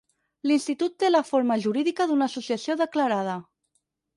L'institut té la forma jurídica d'una associació declarada.